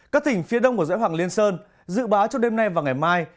các tỉnh phía đông của dãy hoàng liên sơn dự báo trong đêm nay và ngày mai